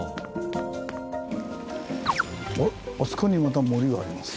あそこにまた森がありますね。